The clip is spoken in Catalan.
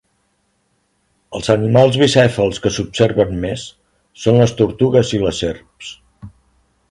Els animals bicèfals que s'observen més són les tortugues i les serps.